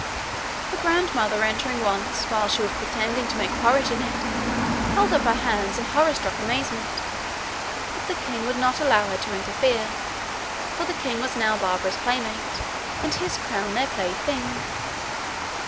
Her grandmother entering once while she was pretending to make porridge in it, held up her hands in horror struck amazement; but the king would not allow her to interfere, for the king was now Barbara's playmate, and his crown their plaything.